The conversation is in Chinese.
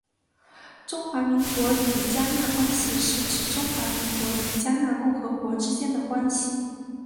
中华民国与迦纳关系是指中华民国与迦纳共和国之间的关系。